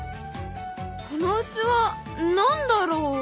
この器何だろう？